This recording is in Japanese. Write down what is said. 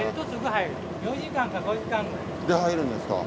で入るんですか。